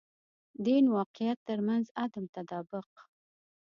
دین واقعیت تر منځ عدم تطابق.